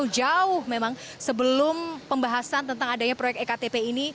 jauh memang sebelum pembahasan tentang adanya proyek ektp ini